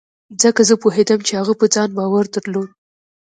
ځکه زه پوهېدم چې هغه په ځان باور درلود.